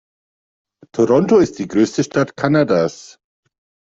Toronto ist die größte Stadt Kanadas.